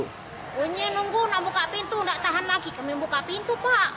nunggu nunggu nang buka pintu nggak tahan lagi kami buka pintu pak